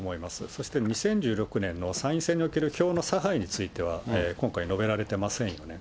そして２０１６年の参院選における票の差配については、今回述べられてませんよね。